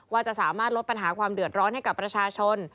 ว่าจะสามารถลดปัญหาความเดือดร้อนให้กับประชาชน